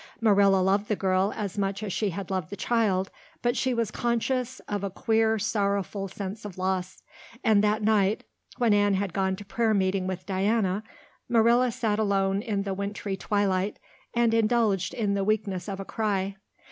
Marilla loved the girl as much as she had loved the child, but she was conscious of a queer sorrowful sense of loss. And that night, when Anne had gone to prayer meeting with Diana, Marilla sat alone in the wintry twilight and indulged in the weakness of a cry.